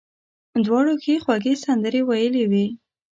دواړو ښې خوږې سندرې ویلې وې.